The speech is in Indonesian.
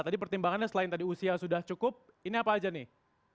tadi pertimbangannya selain tadi usia sudah cukup ini apa aja nih